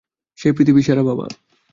সে পৃথিবীর সেরা বাবা।